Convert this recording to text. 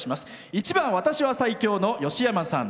１番「私は最強」のよしやまさん。